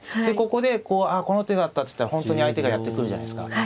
でここであこの手だったって言ったら本当に相手がやってくるじゃないですか。